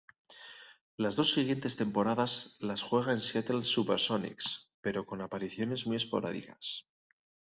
Las dos siguientes temporadas las juega en Seattle Supersonics, pero con apariciones muy esporádicas.